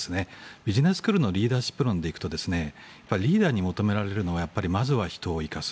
ビジネススクールのリーダーシップ論でいくとリーダーに求められるのはまずは人を生かす。